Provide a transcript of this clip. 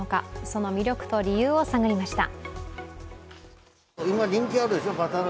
その魅力と理由を探りました。